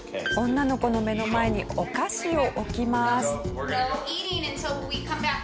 女の子の目の前にお菓子を置きます。